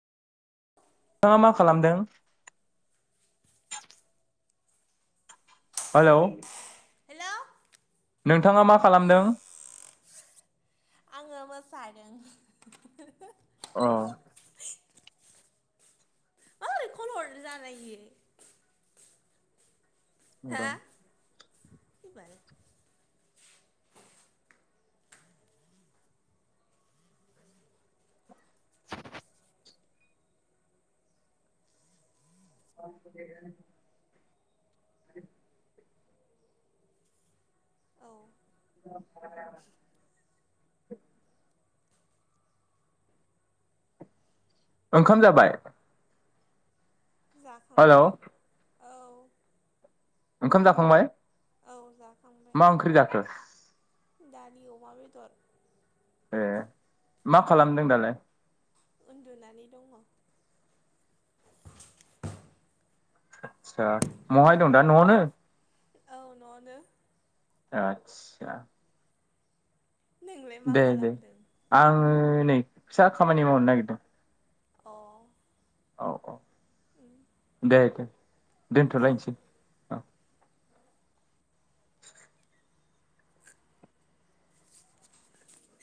नोंथाङा मा खालामदों? हेलौ हेलौ नोंथाङा मा खालामदों? आङो मोसाहैदों हिहि। उम ओ खल हरनो जानाय हियो हा? फैबाय बुजिया आरो औ माने ओंखाम जाबाय? हेलौ जाखांबाय औ। ओंखाम जाखांबाय? औ जाखां मा ओंख्रि जाखो? दालि अमा बेदर। ए मा खालामदों दालाय? उन्दुनानै दङ। आदसा बहाय दं दा न'आवनो? औ न'आवनो। आतसा। नोंलाय मा दे दे खालामदों आङो नै फिसा खामानि मावनो नागिरदों। अ। औ औ उम दे दे दोन्थ'लायनोसै।